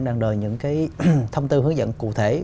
đang đợi những thông tư hướng dẫn cụ thể